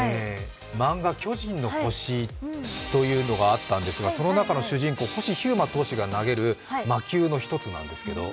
漫画「巨人の星」というのがあったんですがその中の主人公・星飛雄馬投手が投げる魔球の一つなんですけど。